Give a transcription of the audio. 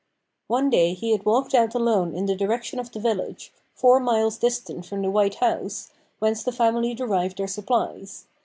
One day he had walked out alone in the direction of the village, four miles distant from the White House, whence the family derived their supplies.